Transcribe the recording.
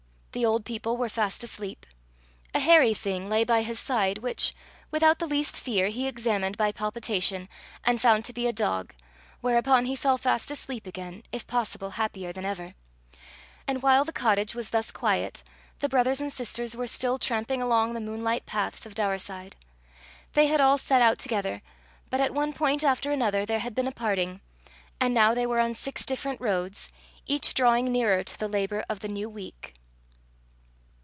The old people were fast asleep. A hairy thing lay by his side, which, without the least fear, he examined by palpation, and found to be a dog, whereupon he fell fast asleep again, if possible happier than ever. And while the cottage was thus quiet, the brothers and sisters were still tramping along the moonlight paths of Daurside. They had all set out together, but at one point after another there had been a parting, and now they were on six different roads, each drawing nearer to the labour of the new week.